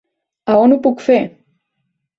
A on ho puc fer?